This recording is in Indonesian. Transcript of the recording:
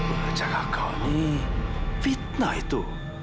apa cakap kau ini fitnah itu